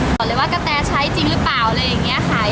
บอกเลยว่ากะแตใช้จริงหรือเปล่าอะไรอย่างนี้ค่ะ